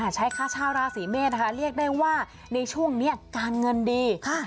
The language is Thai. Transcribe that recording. ใช้ค่าชาวราศีเมษนะคะเรียกได้ว่าในช่วงนี้การเงินดี